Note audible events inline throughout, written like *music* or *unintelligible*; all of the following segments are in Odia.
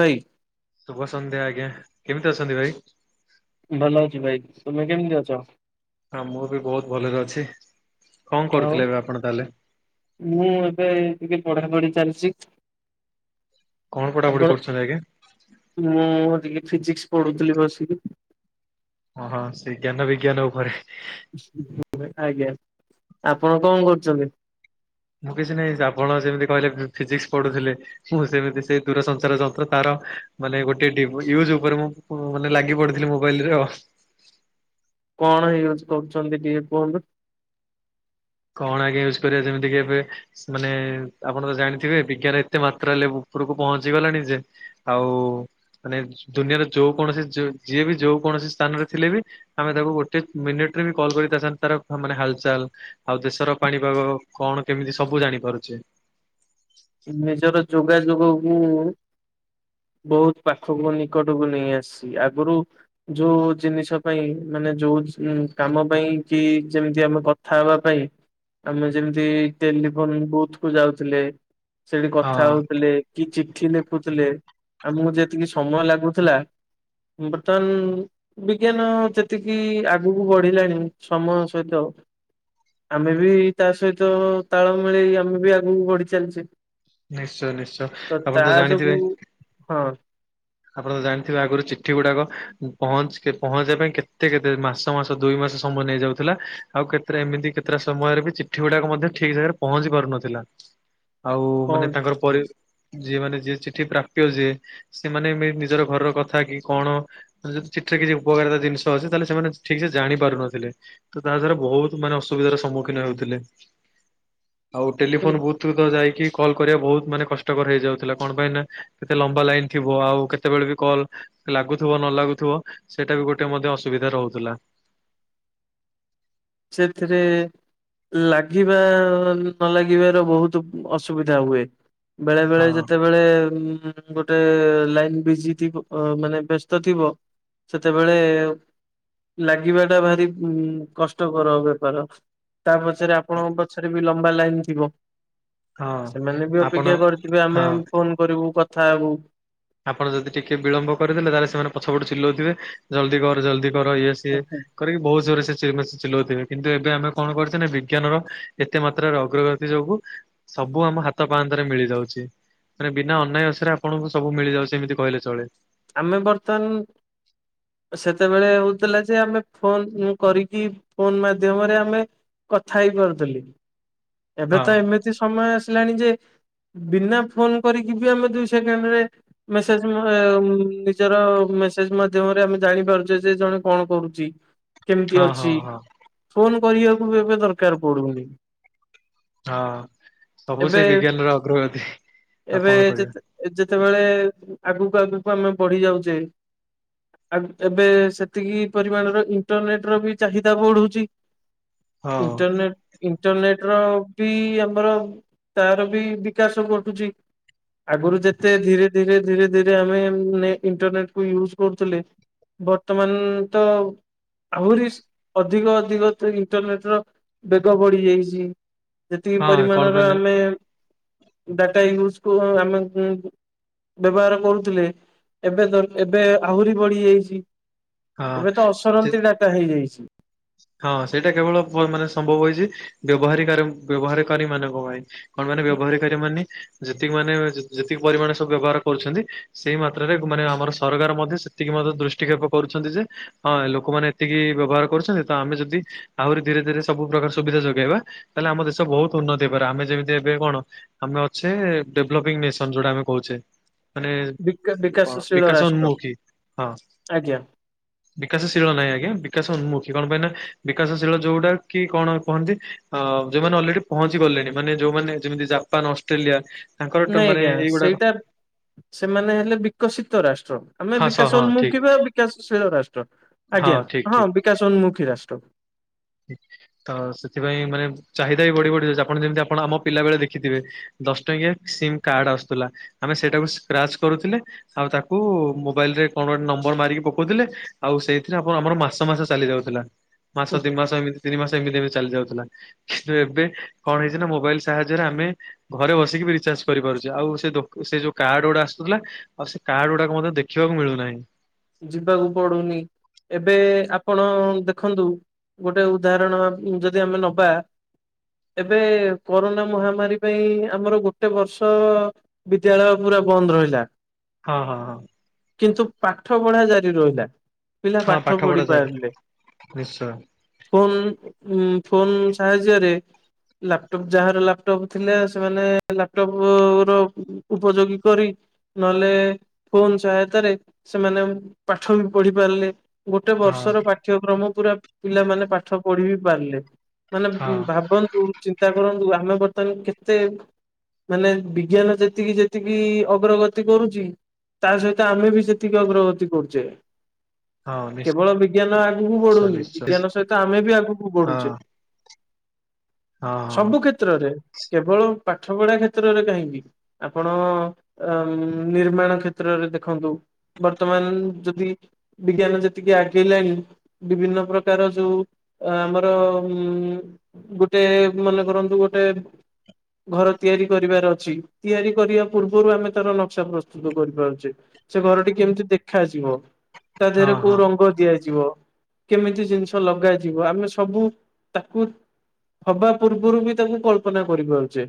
ଭାଇ ଶୁଭ ସନ୍ଧ୍ୟା ଆଜ୍ଞା, କେମିତି ଅଛନ୍ତି ଭାଇ? ଭଲ ଅଛି ଭାଇ, ତମେ କେମିତି ଅଛ? ହଁ, ମୁଁ ବି ବହୁତ ଭଲରେ ଅଛି। କଣ ଆଉ କରୁଥିଲେ ଏବେ ଆପଣ ତାହେଲେ? ମୁଁ ଏବେ ଏଇ ଟିକେ ପଢା ପଢି ଚାଲିଚି। କଣ ପଢାପଢି କରୁଚନ୍ତି ଆଜ୍ଞା? ମୁଁ ଟିକେ ଫିଜିକ୍ସ ପଢ଼ୁଥିଲି ବସିକି। ଓହଁ, ସେ ଜ୍ଞାନ ବିଜ୍ଞାନ ଉପରେ। ଆଜ୍ଞା, ଆପଣ କଣ କରୁଚନ୍ତି? ମୁଁ କିଛି ନାହିଁ, ଆପଣ ଯେମିତି କହିଲେ ଫିଜିକ୍ସ ପଢୁଥିଲେ? ମୁଁ ସେମିତି ସେ ଦୂରସଞ୍ଚାର ଯନ୍ତ୍ର ତାର, ମାନେ ଗୋଟେ ଡି ୟୁଜ୍ ଉପରେ ମୁଁ ମାନେ ଲାଗି ପଡିଥିଲି ମୋବାଇଲ୍ ରୁ ଆଉ। କଣ ୟୁଜ୍ କରୁଚନ୍ତି ଟିକେ କୁହନ୍ତୁ? କଣ ଆଜ୍ଞା ୟୁଜ୍ କରିବା, ଯେମିତି କି ଏବେ ମାନେ ଆପଣ ତ ଜାଣିଥିବେ, ବିଜ୍ଞାନ ଏତେ ମାତ୍ରା ହେଲେ ଉପରକୁ ପହଞ୍ଚି ଗଲାଣି ଯେ ଆଉ, ମାନେ ଦୁନିଆର ଯୋଉ କୌଣସି ଯିଏ ବି ଯୋଉ କୌଣସି ସ୍ଥାନରେ ଥିଲେ ବି ଆମେ ତାକୁ ଗୋଟେ ମିନିଟ୍ ରେ ବି କଲ୍ କରି, ତା ସାଙ୍ଗରେ ତାର ମାନେ ହାଲଚାଲ୍ ଆଉ ଦେଶର ପାଣିପାଗ, କଣ କେମିତି ସବୁ ଜାଣିପାରୁଚେ। ନିଜର ଯୋଗାଯୋଗ କୁ ବହୁତ ପାଖକୁ ନିକଟକୁ ନେଇ ଆସିଚି, ଆଗରୁ ଯୋଉ ଜିନିଷ ପାଇଁ, ମାନେ ଯୋଉ କାମ ପାଇଁ, କି ଯେମିତି ଆମେ କଥା ହବା ପାଇଁ ଆମେ ଯେମିତି ଟେଲିଫୋନ ବୁଥ୍ କୁ ଯାଉଥିଲେ, ସେଠି କଥା ହଁ ହଉଥିଲେ କି ଚିଠି ଲେଖୁଥିଲେ, ଆମକୁ ଯେତିକି ସମୟ ଲାଗୁଥିଲା ବର୍ତ୍ତମାନ୍ ବିଜ୍ଞାନ ଯେତିକି ଆଗକୁ ବଢିଲାଣି ସମୟ ସହିତ ଆମେ ବି ତା ସହିତ ତାଳ ମିଳେଇ ଆମେ ବି ଆଗକୁ ବଢି ଚାଲିଚେ ନିଶ୍ଚୟ, ନିଶ୍ଚୟ। ତ ଆପଣ ତା ଯୋଗୁ, ଜାଣିଥିବେ ହଁ। ଆପଣ ତ ଜାଣିଥିବେ, ଆଗରୁ ଚିଠି ଗୁଡାକ, ପହଞ୍ଚ ପହଞ୍ଚିବା ପାଇଁ କେତେ କେତେ ମାସ ମାସ ଦୁଇ ମାସ ସମୟ ନେଇଯାଉ ଥିଲା, ଆଉ କେତେରେ ଏମିତି କେତେଟା ସମୟରେ ବି, ଚିଠି ଗୁଡାକ ମଧ୍ୟ ଠିକ୍ ଜାଗାରେ ପହଞ୍ଚି ପାରୁନଥିଲା। *inaudible* ଆଉ ମାନେ ପହଞ୍ଚ ତାଙ୍କର ପରେ, ହଁ ଯିଏ ମାନେ ଯିଏ ଚିଠି ପ୍ରାପ୍ୟ ଯିଏ ସେମାନେ ନିଜର ଘରର କଥା, କି କଣ ଯଦି ଚିଠିରେ କିଛି ଉପକାରିତା ଜିନିଷ ଅଛି, ତାହେଲେ ସେମାନେ ଠିକ୍ ସେ ଜାଣି ପାରୁନଥିଲେ। ତ ତାହା ଦ୍ଵାରା ବହୁତ ମାନେ ଅସୁବିଧାର ସମ୍ମୁଖୀନ ହେଉଥିଲେ। *inaudible* ଆଉ ଟେଲିଫୋନ କିନ୍ତୁ ବହୁତ *unintelligible* ଯାଇକି କଲ୍ କରିବା ବହୁତ ମାନେ କଷ୍ଟକର ହେଇଯାଉଥିଲା। କଣ ପାଇଁ ନା କେତେ ଲମ୍ବା ଲାଇନ ଥିବ ଆଉ କେତେବେଳେ ବି କଲ ଲାଗୁଥିବ ନ ଲାଗୁଥିବ ସେଇଟା ବି ଗୋଟେ ମଧ୍ୟ ଅସୁବିଧା ରହୁଥିଲା। ସେଥିରେ ଲାଗିବା ନ ଲାଗିବାର ବହୁତ ଅସୁବିଧା ହୁଏ। ବେଳେ ବେଳେ ହଁ ଯେତେ ବେଳେ ଗୋଟେ ଲାଇନ ବିଜି ଥିବ ମାନେ ବ୍ୟସ୍ତ ଥିବ। ସେତେବେଳେ ଲାଗିବାଟା ଭାରି ଉଁ କଷ୍ଟ। କଷ୍ଟକର ବେପାର। ତା ପଛରେ ଆପଣଙ୍କ ପଛରେ ବି ଲମ୍ବା ଲାଇନ ଥିବ। ହଁ ସେମାନେ ବି ଆପଣ ଅପେକ୍ଷା କରିଥିବେ ହଁ ଆମେ ଏମ ଫୋନ କରିବୁ କଥା ହେବୁ। ଆପଣ ଯଦି ଟିକେ ବିଳମ୍ବ କରିଦେଲେ ତାହେଲେ ସେମାନେ ପଛପଟୁ ଚିଲଉଥିବେ ଜଲ୍ଦି କର, ଜଲ୍ଦି କର ଇଏ ସିଏ। କରିକି ବହୁତ ଜୋର ସେ ଚିଲଉଥିବେ। କିନ୍ତୁ ଏବେ ଆମେ କଣ କରଛେ ନା ବିଜ୍ଞାନର ଏତେ ମାତ୍ରାରେ ଅଗ୍ରଗତି ଯୋଗୁ ସବୁ ଆମ ହାତ ପାହାନ୍ତରେ ମିଳି ଯାଉଛି। ମାନେ ବିନା ଅନାୟସରେ ଆପଣଙ୍କୁ ସ ସବୁ ମିଳିଯାଉଛି ଏମିତି କହିଲେ ଚଳେ। ଆମେ ବର୍ତ୍ତମାନ ସେତେବେଳେ ହଉଥିଲା ଯେ ଆମେ ଫୋନ କରିକି ଫୋନ ମାଧ୍ୟମରେ ଆମେ କଥା ହେଇ ପାରୁଥିଲି। ଏବେ ହଁ। ତ ଏମିତି ସମୟ ଆସିଲାଣି ଯେ ବିନା ଫୋନ କରିକି ବି ଆମେ ଦୁଇ ସେକେଣ୍ଡ ରେ ମେସେଜ ମ ଉଁ ନିଜର ମେସେଜ ମାଧ୍ୟମରେ ଆମେ ଜାଣିପାରୁଛେ ଯେ ଜଣେ କଣ କରୁଚି? କେମିତି ହଁ ହଁ ଅଛି? ହଁ ଫୋନ କରିବାକୁ ବି ଏବେ ଦରକାର ପଡୁନି। ହଁ ସବୁ ଏବେ ସେ ବିଜ୍ଞାନର ଅଗ୍ରଗତି। ଆଉ କଣ କରିବା? ଏଇ ଯେତେବେଳେ ଆଗକୁ ଆଗକୁ ଆମେ ବଢି ଯାଉଛେ ଆ ଏବେ ସେତିକି ପରିମାଣର ଇଣ୍ଟରନେଟ ର ବି ଚାହିଦା ବଢୁଛି। ହଁ। ଇଣ୍ଟରନେଟ- ଇଣ୍ଟରନେଟ ର ବି ଆମର ତାର ବି ବିକାଶ ଘଟୁଛି। ଆଗରୁ ଯେତେ ଧୀରେ -ଧୀରେ- ଧୀରେ- ଧୀରେ ଆମେ ଉଁ ଇଣ୍ଟରନେଟ କୁ ୟୁଜ କରୁଥିଲେ ବର୍ତ୍ତମାନ ତ ଆହୁରି ସି ଅଧିକ -ଅଧିକ ତ ଇଣ୍ଟରନେଟ ର ବେଗ ବଢି ଯାଇଛି। ଯେତିକି ହଁ କଣ ପରିମାଣର ପାଇଁ ନା ଆମେ ଡାଟା ୟୁଜ କଉ ଆମେ ଉଁ ବ୍ୟବହାର କରୁଥିଲେ ଏବେ ଦ ଏବେ ଆହୁରି ବଢି ଯାଇଛି। ହଁ ଏବେ ତ ସେ ଅସରନ୍ତି ଡାଟା ହେଇଯାଇଛି। ହଁ ସେଇଟା କେବଳ ବ ମାନେ ସମ୍ଭବ ହେଇଛି ବ୍ୟବହାରୀ ବ୍ୟବହାରକାରୀ ମାନଙ୍କ ପାଇଁ। କଣ ମାନେ ବ୍ୟବହାରକାରୀ ମାନେ ଯେତିକି ମାନେ ଯେତିକି ପରିମାଣ ସବୁ ବ୍ୟବହାର କରୁଛନ୍ତି ସେଇ ମାତ୍ରାରେ ମାନେ ଆମର ସରକାର ମଧ୍ୟ ସେତିକି ମଧ୍ୟ ଦୃଷ୍ଟିକ୍ଷେପ କରୁଛନ୍ତି ଯେ ହଁ ଲୋକମାନେ ଏତିକି ବ୍ୟବହାର କରୁଛନ୍ତି ତ ଆମେ ଯଦି ଆହୁରି ଧୀରେ ଧୀରେ ସବୁ ପ୍ରକାର ସୁବିଧା ଯୋଗେଇବା ତାହେଲେ ଆମ ଦେଶ ବହୁତ ଉନ୍ନତି ହେଇପାରିବ। ଆମେ ଯେମିତି ଏବେ କଣ ଆମେ ଅଛେ ଡେଭଲପିଙ୍ଗ ନେସନ ଯୋଉଟା ଆମେ କହୁଛେ ମାନେ ବିକା କଣ ବିକାଶଶୀଳ ବିକାଶ ରାଷ୍ଟ୍ର ଉନ୍ମୁଖୀ। ହଁ। ଆଜ୍ଞା ବିକଶୀଳ ନାଇଁ ଆଜ୍ଞା ବିକାଶଉନ୍ମୁଖ କି କଣ ପାଇଁ ନା ବିକାଶଶୀଳ ଯୋଉଟା କି କଣ କୁହନ୍ତି ଅ ଯୋଉମାନେ ଅଲରେଡି ପହଞ୍ଚି ଗଲେଣି। ମାନେ ଯୋଉମାନେ ଯେମିତି ଜାପାନ, ଅଷ୍ଟ୍ରେଲିଆ ତାଙ୍କର ଟ ନାଇଁ ମାନେ ଆଜ୍ଞା। ଏଇଗୁଡାକ ସେଇଟା ସେମାନେ ହେଲେ ବିକଶିତ ରାଷ୍ଟ୍ର। ଆମେ ହଁ ସ ବିକାଶ ହଁ ଉନ୍ମୁଖୀ ଠିକ ବା ବିକାଶଶୀଳ ରାଷ୍ଟ୍ର। ଆଜ୍ଞା, ଠିକ ହଁ ଠିକ ବିକାଶ ଉନ୍ମୁଖୀ ରାଷ୍ଟ୍ର। ତ ସେଥିପାଇଁ ମାନେ ଚାହିଦା ବି ବଢି ବଢି ଯାଉଛି। ଆପଣ ଯେମିତି ଆପଣ ଆମ ପିଲା ବେଳେ ଦେଖିଥିବେ। ଦଶ ଟଙ୍କିଆ ସିମ୍ କାର୍ଡ ଆସୁଥିଲା ଆମେ ସେଇଟାକୁ ସ୍କ୍ରାଚ କରୁଥିଲେ। ଆଉ ତାକୁ ମୋବାଇଲ୍ ରେ କଣ ଗୋଟେ ନମ୍ବର ମାରିକି ପକଉଥିଲେ। ଆଉ ସେଇଥିରେ ଆପଣ ଆମର ମାସ ମାସ ଚାଲି ଯାଉଥିଲା ମାସ ହୁଁ ଦି ମାସ ଏମିତି ତିନି ମାସ ଏମିତି ବି ଚାଲି ଯାଉଥିଲା କିନ୍ତୁ ଏବେ କଣ ହେଇଛି ନା ମୋବାଇଲ୍ ସାହାଯ୍ୟରେ ଆମେ। ଘରେ ବସିକି ବି ରିଚାର୍ଜ କରିପାରୁଚେ ଆଉ ସେ ଦୋକ୍ ସେ ଯୋଉ କାର୍ଡ ଗୁଡ଼ା ଆସୁଥିଲା। ଆଉ ସେ କାର୍ଡ ଗୁଡାକ ମୋତେ ଦେଖିବାକୁ ମିଳୁନାହିଁ। ଯିବାକୁ ପଡୁନି ଏବେ ଆପଣ ଦେଖନ୍ତୁ। ଗୋଟେ ଉଦାହରଣ ଯଦି ଆମେ ନବା। ଏବେ କରୋନା ମହାମାରୀ ପାଇଁ ଆମର ଗୋଟେ ବର୍ଷ। ବିଦ୍ୟାଳୟ ପୁରା ବନ୍ଦ୍ ରହିଲା। ହଁ ହଁ ହଁ। କିନ୍ତୁ ପାଠ ପଢା ଜାରି ରହିଲା। ପିଲା ହଁ ପାଠ ପଢା ପଢି ଚାଲେ ପାରିଲେ। ନିଶ୍ଚୟ ଫୋନ୍ ଉଁ ଫୋନ୍ ସାହାଯ୍ୟରେ। ଲାପଟପ୍ ଯାହାର ଲାପଟପ୍ ଥିଲେ ସେମାନେ ଲାପଟପକୁ ର। ଉପଯୋଗୀ କରି ନହେଲେ ଫୋନ୍ ସହାୟତାରେ। ସେମାନେ ପାଠ ବି ପଢି ପାରିଲେ ଗୋଟେ ହଁ ବର୍ଷର ପା ଠ୍ୟକ୍ରମ ପୁରା ପିଲାମାନେ ପାଠ ପଢି ବି ପାରିଲେ ମାନେ ହଁ ଉଁ ଭାବନ୍ତୁ। ଚିନ୍ତା କରନ୍ତୁ ଆମେ ବର୍ତ୍ତମାନ କେତେ। ମାନେ ବିଜ୍ଞାନ ଯେତିକି ଯେତିକି ଅଗ୍ରଗତି କରୁଚି ତା ସହିତ ଆମେ ବି ସେ ତିକି ଅଗ୍ରଗତି କରୁଚେ। ହଁ କେବଳ ବିଜ୍ଞାନ ଆଗୁକୁ ନିଶ୍ଚୟ ବଢୁନି ନିଶ୍ଚୟ ବିଜ୍ଞାନ ସହିତ ଆମେ ବି ଆଗୁକୁ ହଁ ବଢୁଚେ। ହଁ ସବୁ ହଁ କ୍ଷେତ୍ରରେ କେବଳ ପାଠ ପଢା କ୍ଷେତ୍ରରେ କାହିଁକି? ଆପଣ ଅ ନିର୍ମାଣ କ୍ଷେତ୍ରରେ ଦେଖନ୍ତୁ। ବର୍ତ୍ତମାନ ଯଦି ବିଜ୍ଞାନ ଯେତିକି ଆଗେଇଲାଣି। ବିଭିନ୍ନ ପ୍ରକାର ଯୋଉ ଆମର ଉଁ ଗୋଟେ ମନେ କରନ୍ତୁ ଗୋଟେ। ଘର ତିଆରି କରିବାର ଅଛି ତିଆରି କରିବା ପୂର୍ବରୁ ଆମେ ତାର ନକ୍ସା ପ୍ରସ୍ତୁତ କରିପାରୁଚେ। ସେ ଘରଟି କେମିତି ଦେଖାଯିବ ତା ଦେହରେ ହଁ କୋଉ ହଁ ରଙ୍ଗ ଦିଆଯିବ। କେମିତି ଜିନିଷ ଲଗାଯିବ ଆମେ ସବୁ ତାକୁ। ହବା ପୂର୍ବୁରୁ ବି ତାକୁ କଳ୍ପନା କରିପାରୁଚେ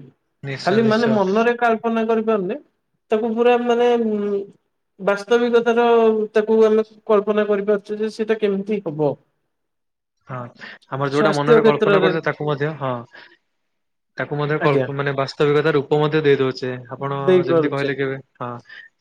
ନିଶ୍ଚୟ ଖାଲି ମାନେ ନିଶ୍ଚୟ ମନରେ କା ଳ୍ପନା କରିପାରୁନେ ତାକୁ ପୁରା ମାନେ ଉଁ। ବାସ୍ତବିକତାର ତାକୁ ଆମେ କଳ୍ପନା କରିପାରୁଚେ ଯେ ସେଟା କେମିତି ହବ। ହଁ ଆମର ଯୋଉଟା ସ୍ୱାସ୍ଥ୍ୟ ମନରେ କଳ୍ପନା କ୍ଷେତ୍ରରେ କରୁଚେ ତାକୁ ମଧ୍ୟ ହଁ। ତାକୁ ମଧ୍ୟ ଆଜ୍ଞା କଳ୍ପ ମାନେ ବାସ୍ତବିକତା ରୂପ ମଧ୍ୟ ଦେଇ ଦଉଛେ ଆପଣ ଯେମିତି ଦେଇପାରୁଛେ କହିଲେ କି ଏବେ। ହଁ।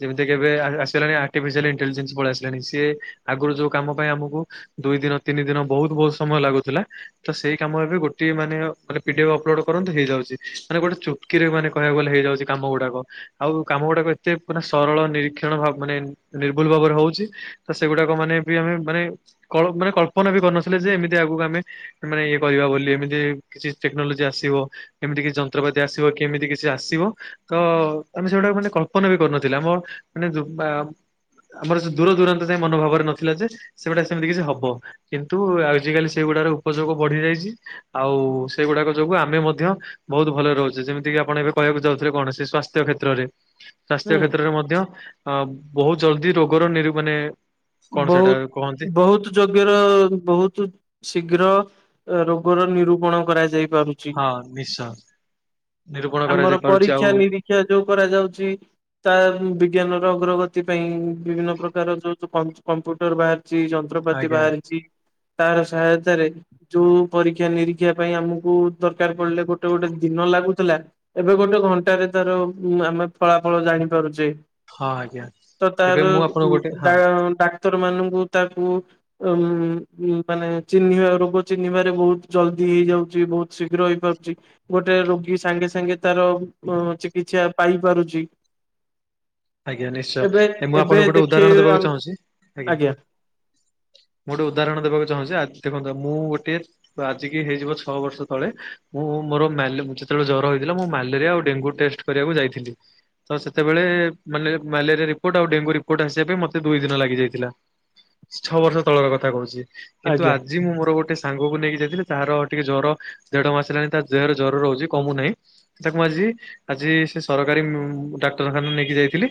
ଯେମିତିକି କେବେ ଆ ଆସିଲାଣି ଆର୍ଟିଫିସିଆଲି ଇଣ୍ଟେଲିଜେନ୍ସ ପଳେଇ ଆସିଲାଣି ସିଏ ଆଗୁରୁ ଯୋଉ କାମ ପାଇଁ ଆମୁକୁ। ଦୁଇ ଦିନ ତିନି ଦିନ ବହୁତ୍ ବହୁତ୍ ସମୟ ଲାଗୁଥିଲା। ତ ସେଇ କାମ ଏବେ ଗୋଟିଏ ମାନେ ହ ମାନେ ଭିଡିଓ ଅପଲୋଡ୍ କରନ୍ତି ହେଇଯାଉଛି ମାନେ ଗୋଟେ ଚୁ ଟ୍କିରେ ମାନେ କହିବାକୁ ଗଲେ ହେଇଯାଉଛି କାମ ଗୁଡାକ। ଆଉ କାମ ଗୁଡାକ ଏତେ ପୁରା ସରଳ ନିରୀକ୍ଷଣ ଭାବ ମାନେ ନିର୍ଭୁଲ ଭାବରେ ହଉଚି। ତ ସେଗୁଡାକ ମାନେ ବି ଆମେ ମାନେ କଳ ମାନେ କଳ୍ପନା ବି କରିନଥିଲେ ଯେ ଏମିତି ଆଗୁକୁ ଆମେ। ମାନେ ଇଏ କରିବା ବୋଲି ଏମିତି କିଛି ଟେକ୍ନୋଲୋଜି ଆସିବ। କେମିତିକି ଯନ୍ତ୍ରପାତି ଆସିବ କି ଏମିତି କିଛି ଆସିବ। ତ ଆମେ ସେଗୁଡାକ ମାନେ କଳ୍ପନା ବି କରୁନଥିଲେ ଆମ ମାନେ ଦୁବା ଆମର ସେ ଦୂର ଦୂରାନ୍ତ ଯ ମନ ଭାବରେ ନଥିଲା ଯେ, ସେଟା ସେମିତି କିଛି ହବ କି- - ନ୍ତୁ ଆଜିକାଲି ସେଗୁଡ଼ା ଉପଯୋଗ ବଢି ଯାଇଛି ଆଉ ସେଗୁଡ଼ାକ ଯୋଗୁ ଆମେ ମଧ୍ୟ ବହୁତ ଭଲରେ ରହୁଛି ଯେମିତି କିି ଆପଣ ଏବେ କହିବାକୁ ଯାଉଥିଲେ କୌଣସି ସ୍ୱାସ୍ଥ୍ୟ କ୍ଷେତ୍ରରେ ହୁଁ ସ୍ୱାସ୍ଥ୍ୟ କ୍ଷେତ୍ରରେ ମଧ୍ୟ ଅ ବହୁତ ଜଲଦି ରୋଗର ନିରୁ ମାନେ କଣ ସେଇଟା କହନ୍ତି ବହୁତ ବହୁତ ଯୋଗ୍ୟ ର ବହୁତ ଶୀଘ୍ର ରୋଗର ନିରୂପଣ କରାଯାଇ ପାରୁ ଚି- - ହଁ ନିଶ୍ଚୟ ନିରୂପଣ କରାଯାଇ ପାରୁଚି ଆଉ ଶିକ୍ଷା ଯୋଉ କରାଯାଉଛି ତା ବିଜ୍ଞାନର ଅଗ୍ରଗତି ପାଇଁ ବିଭିନ୍ନ ପ୍ରକାର ଯୋଉ କ କମ୍ପ୍ୟୁଟର ବାହାରିଛି ଯନ୍ତ୍ରପାତି ଆଜ୍ଞା ବାହାରିଛି ତାର ସହାୟତାରେରେ - - ଯୋଉ ପରୀକ୍ଷା ନିରୀକ୍ଷା ପାଇଁ ଆମକୁ ଦରକାର ପଡିଲେ ଗୋଟେ ଗୋଟେ ଦିନ ଲାଗୁଥିଲା ଏବେ ଗୋଟେ ଘଣ୍ଟାରେ ତାର ଆମେ ଫଳାଫଳ ଜାଣିପାରୁଚେ। ହଁ ଆଜ୍ଞା ତ ଏବେ ତାର ମୁଁ ଆପଣଙ୍କୁ ଉଁ ଗୋଟେ ହଁ ଡାକ୍ତର ମାନଙ୍କୁ ତାକୁ ଉଁ ଉ ମାନେ ଚିହ୍ନି ହରକୁ ଚିହ୍ନିବାରେ ବହୁତ ଜଲଦି ହେଇଯାଉଚି। ବହୁତ ଶୀଘ୍ର ହେଇପାରୁଚି। ଗୋଟେ ରୋଗୀ ସାଙ୍ଗେ ସାଙ୍ଗେ ତାର ଅଁ ଚିକିତ୍ସା ପାଇପାରୁଚି। ଆଜ୍ଞା, ନିଶ୍ଚୟ ମୁଁ ଏବେ ଆପଣଙ୍କୁ ଗୋଟେ ଉଦାହରଣ ଦେଖିବେ ଦେବାକୁ ଚାହୁଁଚି। ଆଜ୍ଞା। ମୁଁ ଗୋଟେ ଉଦାହରଣ ଦେବାକୁ ଚାହୁଁଚି ଆ ଦେଖନ୍ତୁ ମୁଁ ଗୋଟେ ତ ଆଜିିକି ହେଇଯିବ ଛଅ ବର୍ଷ ତଳେ ମୁଁ ମୋର ମେଲୋ ଯେତେବେଳେ ଜର ହେଇଥିଲା ମୁଁ ମ୍ୟାଲେରିଆ ଆଉ ଡେଙ୍ଗୁ ଟେଷ୍ଟ କରିଆକୁ ଯାଇଥିଲି। ତ ସେତେବେଳେ ମାନେ ମ୍ୟାଲେରିଆ ରିପୋର୍ଟ ଆଉ ଡେଙ୍ଗୁ ରିପୋର୍ଟ ଆସିବା ପାଇଁ ମତେ ଦୁଇ ଦିନ ଲାଗିଯାଇଥିଲା। ଛଅ ବର୍ଷ ତଳର କଥା କହୁଚି କିନ୍ତୁ ଆଜ୍ଞା ଆଜି ମୁଁ ମୋର ଗୋଟେ ସାଙ୍ଗକୁ ନେଇକି ଯାଇଥିଲି ତାହାର ଟିକେ ଜ୍ୱର ଦେଢ ମାସ ହେଲାଣି ତା ଦେହର ଜର ରହୁଛି କମୁନାହିଁ। ତାକୁ ଆଜି, ଆଜି ସେ ସରକାରୀ ଡାକ୍ତରଖାନା ନେଇକି ଯାଇଥିଲି।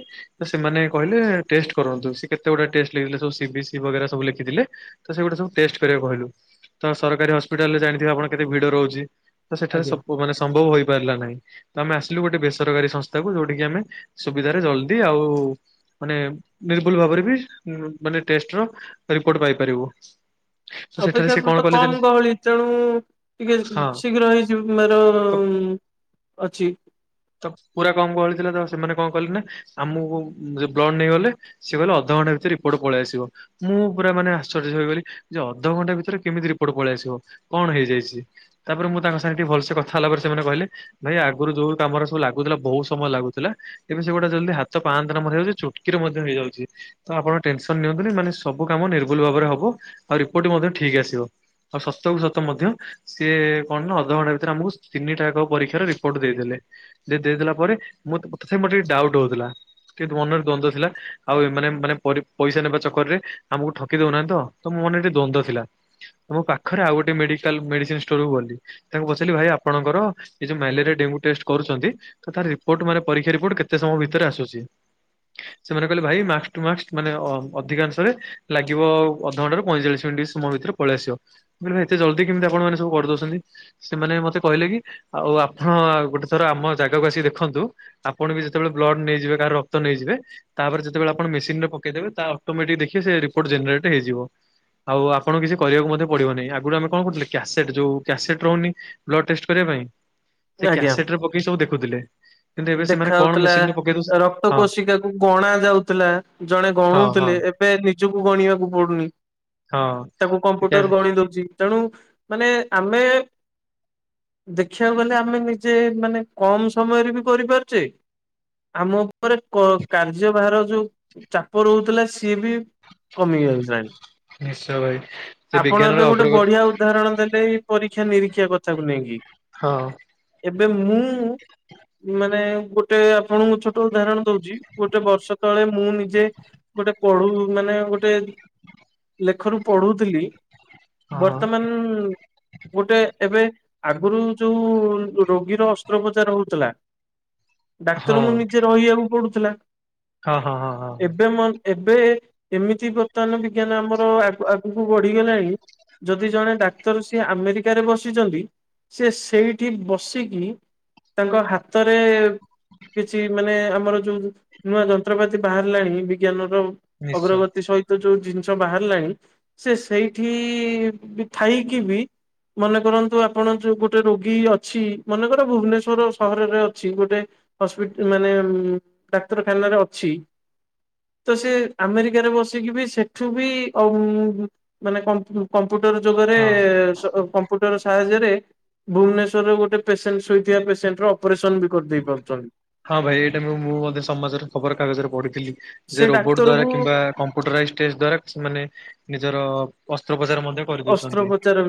ସେମାନେ କହିଲେ ଟେଷ୍ଟ କରନ୍ତୁ। ସେ କେତେ ଗୁଡ଼େ ଟେଷ୍ଟ ଲଥିଲେ ସି ବି ସି ସବୁ ଲେଖିଥିଲେ। ତ ସେଗୁଟା ସବୁ ଟେଷ୍ଟ କରିବାକୁ କହିଲୁ ତ ସରକାରୀ ହସ୍ପିଟାଲରେ ଜାଣିଥିବେ ଆପଣ କେତେ ଭିଡ ରହୁଚି। ତ ସେଠାରେ ଆଜ୍ଞା ସବୁ ମାନେ ସମ୍ବଵ ହୋଇ ପାରିଲା ନାହିଁ ଆମେ ଆସିଲୁ ଗୋଟେ ବେସରକାରୀ ସଂସ୍ଥା କୁ ଯେଉଁଠିକି ଆମେ ସୁବିଧା ଜଲଦି ଆଉ ମାନେ ନିର୍ବୁଲ ଭାବରେ ବି ମାନେ ଟେଷ୍ଟର ରିପୋର୍ଟ ପାଇପାରିବୁ। ତ ସେଠାରେ ଅପେକ୍ଷା ସେ କରୁ କଣ ତ କଲେ କମ ଜାଣି ଗହଳି ତେଣୁ ଟିକେ ହଁ ଶୀଘ୍ର ହେଇଯିବାର ତ ଅଛି। ତ ପୁରା କମ କହଳି ଥିଲା ତ ସେମାନେ କଂ କଲେ ନା? ଆମକୁ ବ୍ଲଡ ନେଇଗଲେ। ସେଏ କହଲେ ଅଧଘଣ୍ଟା ଭିତରେ ରିପୋର୍ଟ ପଳେଇ ଆସିବ। ମୁଁ ପୁରା ମାନେ ଆଶ୍ଚର୍ଯ୍ୟି ଯେ ଅଧଘଣ୍ଟା ଭିତରେ କେମିତି ରିପୋର୍ଟ ପଳେଇ ଆସିବ। କଣ ହେଇଯାଇଚି ତାପରେ ମୁଁ ତାଙ୍କ ସାଙ୍ଗେ ଟିକେ ଭଲସେ କଥା ହେଲା ପରେ ସେମାନେ କହିଲେ- - ଭାଇ ଆଗରୁ ଯୋଉ କାମରେ ସବୁ ଲାଗୁଥିଲା ବହୁତ ସମୟ ଲାଗୁଥିଲା ଏବେ ସେଗୁଡା ଜଲଦି ହାତ ପାହାନ୍ ମଧ୍ୟଯାଉଛି ଚୋଟକିରେ ମଧ୍ୟ ହେଇଯାଉଚି। ତ ଆପଣ ଟେନସନ ନିଅନ୍ତୁନି ମାନେ ସବୁ କାମ ନିର୍ବୁଲ ଭାବରେ ହବ ଆଉ ରିପୋର୍ଟ ମଧ୍ୟ ଠିକ ଆସିବ। ଆଉ ସତ କୁ ସତ ମଧ୍ୟ ସିଏ କଣ ନା ଅଧଘଣ୍ଟା ଭିତରେ ଆମକୁ ତିନିଟା ପରୀକ୍ଷ ରିପୋର୍ଟ ଦେଇଦେଲେ। ଦେଇଲା ପରେ ତ ମୋରେ ଟିକେ ଡାଉଟ୍ ହଉଥିଲା। ଟ ମନରେ ଦ୍ୱନ୍ଦ୍ୱ ଥିଲା ଆଉ ଏ ମାନେ ମାନେ ପଇସା ନେବା ଚକର ରେ ଆମକୁ ଠକି ଦଉନାହାଁ ତ। ତମ ମନେ ଟେ ଦ୍ୱନ୍ଦ ଥିଲା ତୋ ପାଖରେ ଆଉ ଗୋଟେ ମେଡିକାଲ ମେଡିସିନ ଷ୍ଟୋର କୁ ଗଲି। ତାଙ୍କୁ ପଚାରିଲି ଭାଇ ଆପଣଙ୍କର ଏଯୋଉ ମ୍ୟାଲେରିଆ ଡେଙ୍ଗୁ ଟେଷ୍ଟ କରୁଚନ୍ତି ତାର ରିପୋର୍ଟ ମାନେ ପରୀକ୍ଷା ରିପୋର୍ଟ କେ ତେ ସମୟ ଭିତରେ ଆସୁଚି, ସେମାନେ କହିଲେ ଭାଇ ମ୍ୟାକ୍ସ ଟୁ ମ୍ୟାକ୍ସ ମାନେ ଅ ଅଧିକାଂଶରେ ଲାଗିବ ଆଉ ଅଧଘଣ୍ଟାରୁ ପଇଁଚାଳିଶ ମିନିଟ୍ ସମୟ ଭିତରେ ପଳେଇ ଆସିବ। ମୁଁ କହିଲି କଣ ଏତେ ଜଲ୍ଦି କେମିତି ଆପଣମାନେ ସବୁ କରିଦଉଚନ୍ତି? ସେମାନେ ମତେ କହିଲେ କି ଆଉ ଆପଣ ଗୋଟେ ଥର ଆମ ଜାଗାକୁ ଆସିକି ଦେଖନ୍ତୁ, ଆପଣ ବି କେତେବେଳେ ବ୍ଲଡ୍ ନେଇଯିବେ କାହାର ରକ୍ତ ନେଇଯିବେ ତାପରେ ଯେତବେଳେ ଆପଣ ମେସିନ ରେ ପକେଇଦେବେ ତା ଅଟୋମେଟିକ୍ ଦେଖିବେ ସେ ରିପୋର୍ଟ ଜେନେରେଟ୍ ହେଇଯିବ। ଆଉ ଆପଣ କିଛି କରିବାକୁ ମଧ୍ୟ ପଡିବ ନାହିଁ, ଆଗୁରୁ ଆମେ କଣ କରୁଥିଲେ କ୍ୟାସେଟ୍ ଯୋଉ କ୍ୟାସେଟ୍ ରହୁନି ବ୍ଲଡ୍ କରିବା ପାଇଁ, ସେ ଆଜ୍ଞା କ୍ୟାସଟ୍ ରେ ପକେଇ ସବୁ ଦେଖୁଥିଲେ କିନ୍ତୁ ଏବେ ସେମାନେ ଦେଖା ହଉଥିଲା ମେସିନ୍ ରେ ପକେଇ ଦଉଛନ୍ତି ରକ୍ତ ହଁ କୋଷିକାକୁ ଗଣା ଯାଉଥିଲା, ଜଣେ ହଁ ହଁ ଗଣୁଥିଲେ ଏବେ ନିଜକୁ ଗଣିବାକୁ ପଡୁନି। ହଁ। ଶିକା ମ୍ପୁଟର ଗଣି ଦଉଚି, ତେଣୁ ମାନେ ଆମେ ଦେଖିଆକୁ ଗଲେ ଆମେ ନିଜେ ମାନେ କମ୍ ସମୟରେ ବି କରିପାରୁଚେ, ଆମ ଉପରେ କ କାର୍ଯ୍ୟଭାର ଯୋଉ ଚାପ ରହୁଥିଲା ସିଏ ବି କମି ଯିବାକୁ ବସିଲାଣି। ନିଶ୍ଚୟ ଭାଇ, ସେ ବିଜ୍ଞାନର ଗୋଟେ ଅଗ୍ରଗତି ବଢିଆ ଉଦାହରଣ ଦେଲେ ଏଇ ପରୀକ୍ଷା ନିରୀକ୍ଷା କଥାକୁ ନେଇକି। ହଁ। ଏବେ ମୁଁ ମାନେ ଗୋଟେ ଆପଣଙ୍କୁ ଛୋ ଟ ଉଦାହରଣ ଦଉଚି, ଗୋଟେ ବର୍ଷ ତଳେ ମୁଁ ନିଜେ ଗୋଟେ ପଢୁ ମାନେ ଗୋଟେ ଲେଖରୁ ପଢୁଥିଲି ହଁ ବର୍ତ୍ତମାନ୍ ଗୋଟେ ଏବେ ଆଗୁରୁ ଯୋଉ ରୋଗୀର ଅସ୍ତ୍ରୋପଚାର ହଉଥିଲା। ହଁ ଡାକ୍ତର ଙ୍କୁ ନିଜେ ରହିବାକୁ ପଡୁଥିଲା, ହଁ ହଁ ହଁ ହଁ ଏବେ ମ ଏବେ ଏମିତି ବର୍ତ୍ତମାନ ବିଜ୍ଞାନ ଆମର ଆଗ ଆଗକୁ ବଢିଗଲାଣି ଯଦି ଜଣେ ଡାକ୍ତର ସିଏ ଆମେରିକରେ ବସିଚନ୍ତି ସିଏ ସେଇଠି ବସିକି ତାଙ୍କ ହାତରେ କିଛି ମାନେ ଆମର ଯୋଉ ନୂଆ ଯନ୍ତ୍ରପାତି ବାହାରିଲାଣି ବିଜ୍ଞାନର ନିଶ୍ଚୟ ଅଗ୍ରଗତି ସହି ଯୋଉ ଜିନିଷ ବାହାରିଲାଣି ସେ ସେଇଠି ବି ଥାଇକି ବି ମନେ କରନ୍ତୁ ଆପଣ ଯୋଉ ଗୋଟେ ରୋଗୀ ଅଛି, ମନେକର ଭୁବନେଶ୍ୱର ସହ ରରେ ଅଛି ଗୋଟେ ହସ୍ପି ମାନେ ଡାକ୍ତରଖାନାରେ ଅଛି ତ ସେ ଆମେରିକାରେ ବସିକି ବି ସେଠୁ ବି ଅମ୍ ମାନେ କମ୍ କମ୍ପ୍ୟୁଟର୍ ଯୁଗରେ ହଁ କମ୍ପ୍ୟୁଟର୍ ସାହାଯ୍ୟରେ ଭବନେଶ୍ୱରରେ ଗୋଟ ପେସେଣ୍ଟ ଶୋଇଥିବା ପେସେଣ୍ଟ ର ଅପରେସନ୍ ବି କରିଦେଇ ପାରୁଚନ୍ତି। ହଁ ଭାଇ ଏଇଟା ମୁଁ-ମୁଁ ମଧ୍ୟ ସମାଜରେ ଖବର କାଗଜରେ ପଢିଥିଲି ଯେ ସେ ରୋବୋଟ ଦ୍ଵାରା ଡାକ୍ତରକୁ କିମ୍ବା କମ୍ *unintelligible* ଷ୍ଟେଜ୍ ଦ୍ଵାରା ସେମାନେ ନିଜର ଅସ୍ତ୍ରୋପଚାର ମଧ୍ୟ କରିଦଉଛନ୍ତି। ଅସ୍ତ୍ରୋପଚାର ବି